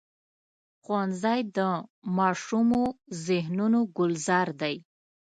ښوونځی د ماشومو ذهنونو ګلزار دی